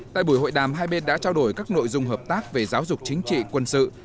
tại buổi hội đàm hai bên đã trao đổi các nội dung hợp tác về giáo dục chính trị quân sự